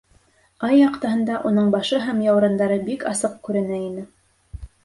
Ай яҡтыһында уның башы һәм яурындары бик асыҡ күренә ине.